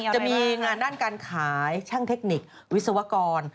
จะมีงานด้านการขายช่างเทคนิควิศวกร